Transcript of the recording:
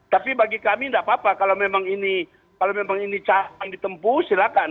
tapi bagi kami tidak apa apa kalau memang ini capang ditempuh silakan